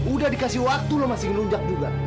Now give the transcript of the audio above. udah dikasih waktu loh masih ngelunjak juga